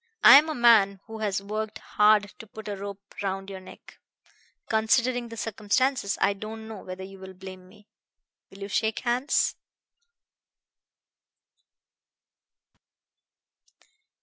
"I am a man who has worked hard to put a rope round your neck. Considering the circumstances I don't know whether you will blame me. Will you shake hands?"